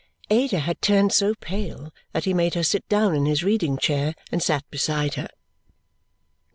Ada had turned so pale that he made her sit down in his reading chair and sat beside her.